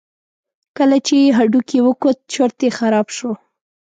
کله چې یې هډوکی وکوت چورت یې خراب شو.